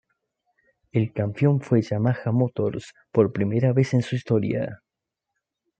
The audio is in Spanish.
El campeón fue el Yamaha Motors, por primera vez en su historia.